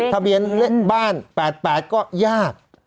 ทะเบียนบ้าน๘๘ก็ยาก